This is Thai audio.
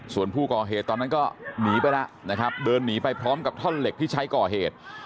ส่วนผู้ก่อเหตุตอนนั้นก็หนีไปแล้วนะครับเดินหนีไปพร้อมกับท่อนเหล็กที่ใช้ก่อเหตุ